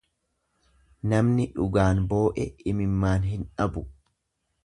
Namni dhugaan boo'e imimmaan hin dhabu.